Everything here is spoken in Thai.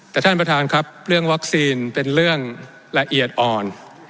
แต่ท่านประธานครับเรื่องวัคซีนเป็นเรื่องละเอียดอ่อน